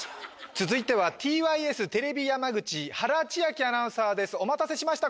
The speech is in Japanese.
続いてはＴＹＳテレビ山口原千晶アナウンサーですお待たせしました